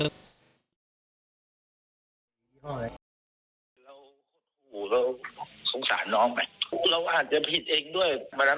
ไปนั่งหลบไปนั่งหลบไปนั่งหลบไปนั่ง